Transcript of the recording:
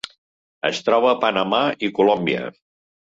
Es troba a Panamà i Colòmbia.